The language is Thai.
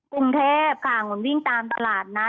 กรุงเทพค่ะเหมือนวิ่งตามตลาดนะ